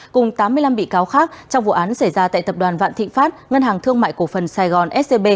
cùng tám mươi năm bị cáo khác trong vụ án xảy ra tại tập đoàn vạn thịnh pháp ngân hàng thương mại cổ phần sài gòn scb